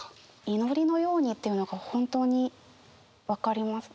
「祈りのように」っていうのが本当に分かります。